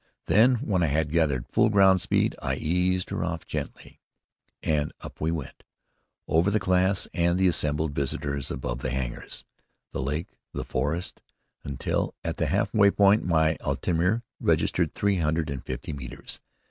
Then, when I had gathered full ground speed, I eased her off gently, and up we went, over the class and the assembled visitors, above the hangars, the lake, the forest, until, at the halfway point, my altimetre registered three hundred and fifty metres.